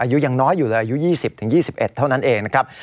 อายุยังน้อยอยู่เลยอายุ๒๐๒๑เท่านั้นเองนะครับ